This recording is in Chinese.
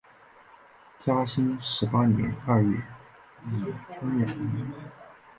嘉庆十八年二月以终养离任。